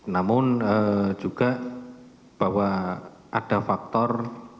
namun juga bahwa ada faktor